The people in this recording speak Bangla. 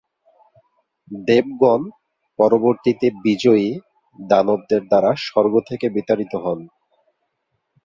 দেবগণ পরবর্তীতে বিজয়ী দানবদের দ্বারা স্বর্গ থেকে বিতাড়িত হন।